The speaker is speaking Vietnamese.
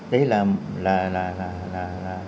đấy là một cái